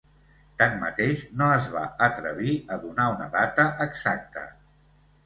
Tanmateix, no es va atrevir a donar una data exacta.